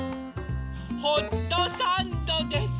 ホットサンドです！